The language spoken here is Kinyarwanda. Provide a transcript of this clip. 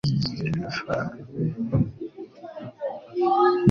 mbere n icya by iyi ngingo